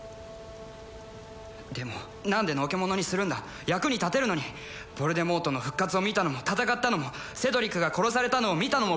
でも何でのけ者にするんだ役に立てるのにヴォルデモートの復活を見たのも戦ったのもセドリックが殺されたのを見たのも